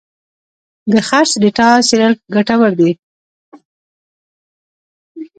د خرڅ ډیټا څېړل ګټور دي.